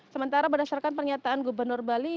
sementara berdasarkan pernyataan gubernur bali